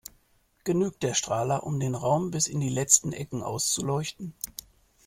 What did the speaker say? Genügt der Strahler, um den Raum bis in die letzten Ecken auszuleuchten?